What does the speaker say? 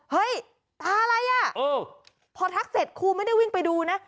เฮ้ยตาอะไรอ่ะพอทักเสร็จครูไม่ได้วิ่งไปดูนะ